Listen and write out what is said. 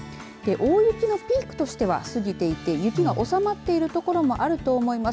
大雪のピークとしては過ぎていて雪が収まっている所もあると思います。